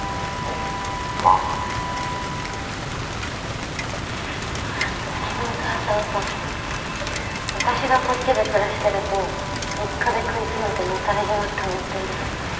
うちのお母さんさ私がこっちで暮らしてると３日で食い詰めて野たれ死ぬって思ってんだよね。